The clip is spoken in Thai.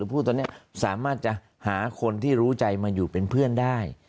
พูดตอนนี้สามารถจะหาคนที่รู้ใจมาอยู่เป็นเพื่อนได้